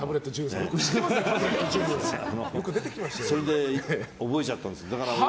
それで覚えちゃったんです。